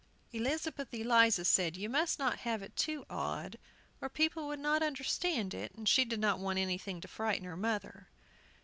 Elizabeth Eliza said you must not have it too odd, or people would not understand it, and she did not want anything to frighten her mother.